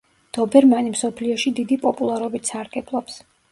დობერმანი მსოფლიოში დიდი პოპულარობით სარგებლობს.